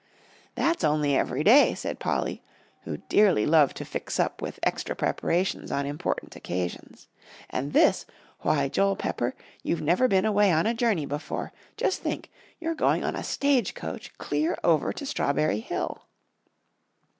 "That's only every day," said Polly, who dearly loved to fix up with extra preparations on important occasions. "And this why, Joel Pepper, you've never been away on a journey before. Just think, you're going on a stage coach clear over to Strawberry Hill!"